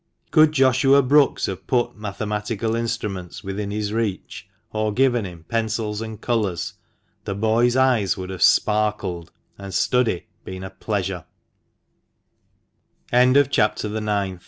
Could Joshua Brookes have put mathematical instruments within his reach, or given him pencils and colours, the boy's eyes would have sparkled, and study been a pleasu